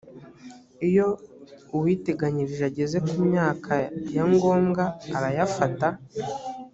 iyo uwiteganyirije ageze ku myaka ya ngombwa arayafata